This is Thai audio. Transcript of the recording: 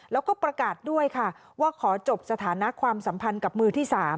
แล้วก็ประกาศด้วยค่ะว่าขอจบสถานะความสัมพันธ์กับมือที่๓